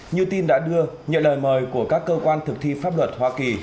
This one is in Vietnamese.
như tin đã đưa nhận lời mời của các cơ quan thực thi pháp luật hoa kỳ